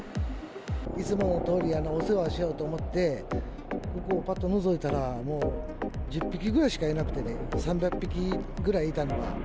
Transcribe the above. いつものとおりお世話しようと思って、ここをぱっとのぞいたら、もう１０匹ぐらいしかいなくてね、３００匹ぐらいいたのが。